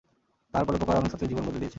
তার পরোপকার অনেক ছাত্রের জীবন বদলে দিয়েছে।